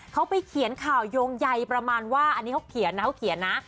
เขาไปเขียนข่าวโยงใยประมาณว่าอันนี้เขาเขียนนะเขาเขียนนะ